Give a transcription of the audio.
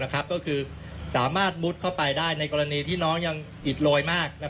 ก็คือสามารถมุดเข้าไปได้ในกรณีที่น้องยังอิดโรยมาก